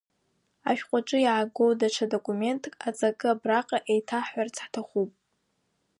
Ашәҟәаҿы иаагоу даҽа документк аҵакы абраҟа еиҭаҳҳәарц ҳҭахуп.